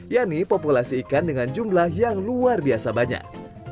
yakni populasi ikan dengan jumlah yang luar biasa banyak